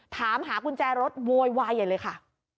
ถามหากุญแจรถโวยวายอย่างนั้นเลยค่ะ